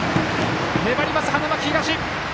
粘ります、花巻東。